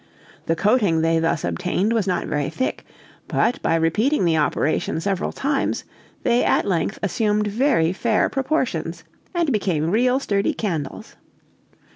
The coating they thus obtained was not very thick; but, by repeating the operation several times, they at length assumed very fair proportions, and became real sturdy candles.